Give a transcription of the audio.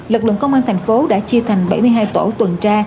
lực lượng công an thành phố đã chia thành bảy mươi hai tổ tuần tra